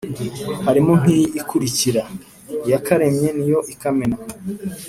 harimo nk’iyi ikurikira: “iyakaremye ni yo ikamena”,